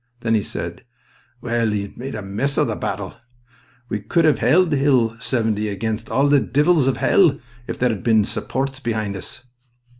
Then he said: "Well, he's made a mess o' the battle. We could've held Hill 70 against all the di'els o' hell if there had bin supports behind us."